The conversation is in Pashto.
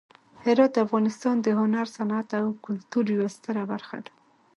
هرات د افغانستان د هنر، صنعت او کلتور یوه ستره برخه ده.